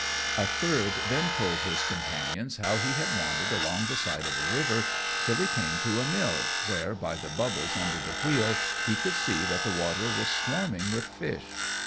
A third then told his companions how he had wandered along the side of a river till he came to a mill, where, by the bubbles under the wheel, he could see that the water was swarming with fish.